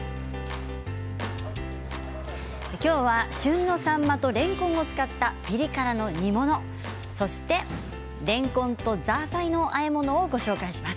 きょうは旬のさんまとれんこんを使ったピリ辛の煮物そして、れんこんとザーサイのあえ物をご紹介します。